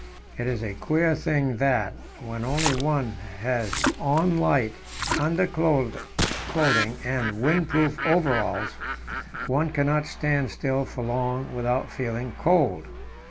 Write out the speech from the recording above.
It is a queer thing that, when one only has on light underclothing and windproof overalls, one cannot stand still for long without feeling cold.